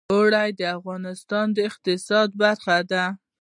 اوړي د افغانستان د اقتصاد برخه ده.